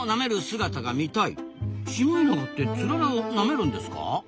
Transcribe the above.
シマエナガってツララをなめるんですか？